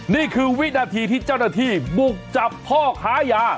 นี่คือวินาทีที่เจ้าหน้าที่บุกจับพ่อค้ายา